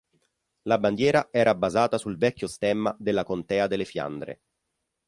La bandiera era basata sul vecchio stemma della contea delle Fiandre.